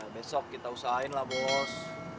besok kita usahain lah bos